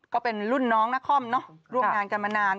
ก็เป็นรุ่นน้องนครเนอะร่วมงานกันมานาน